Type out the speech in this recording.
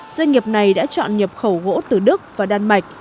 doanh nghiệp này đã chọn nhập khẩu gỗ từ đức và đan mạch